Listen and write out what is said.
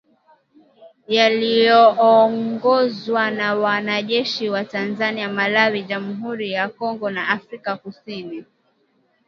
yaliyoongozwa na wanajeshi wa Tanzania Malawi jamuhuri ya Kongo na Afrika kusini